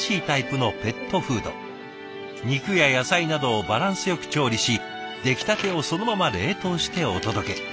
肉や野菜などをバランスよく調理し出来たてをそのまま冷凍してお届け。